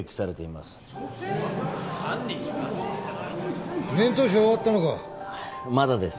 まだです